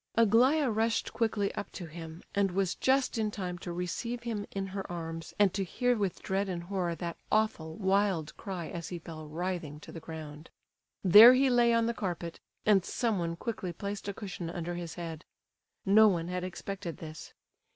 Aglaya rushed quickly up to him, and was just in time to receive him in her arms, and to hear with dread and horror that awful, wild cry as he fell writhing to the ground. There he lay on the carpet, and someone quickly placed a cushion under his head. No one had expected this.